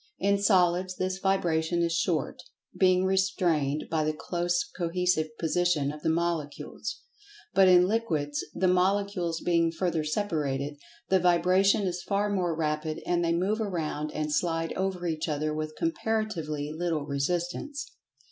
In solids this vibration is short, being restrained by the close cohesive position of the Molecules. But in Liquids, the Molecules being further separated, the vibration is far more rapid, and they move around and slide over each other with comparatively little resistance.